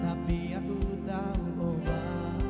kami akan kembali ur envoy ke kece rechts atas